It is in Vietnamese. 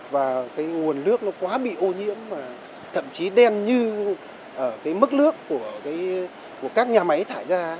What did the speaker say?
nguồn nước nó quá bị ô nhiễm thậm chí đen như mức nước của các nhà máy thải ra